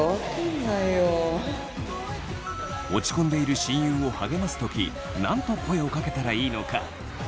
落ち込んでいる親友を励ます時何と声をかけたらいいのか？